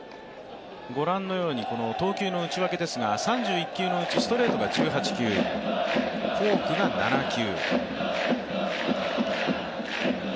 投球の内訳ですが、３１球のうちストレートが１８球フォークが７球。